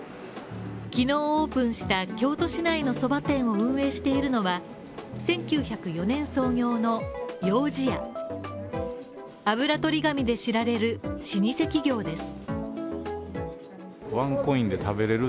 昨日オープンした京都市内のそば店を運営しているのは、１９０４年創業のよーじやあぶらとり紙で知られる老舗企業です。